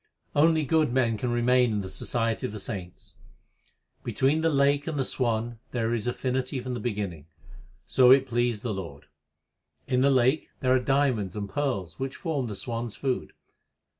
Only good men can remain in the society of the saints : Between the lake and the swan there is affinity from the beginning ; so it pleased the Lord. In the lake there are diamonds and pearls which form the swan s food.